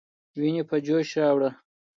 ويني په جوش راوړه.